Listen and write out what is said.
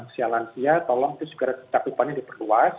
sialan sia tolong terus takutannya diperluas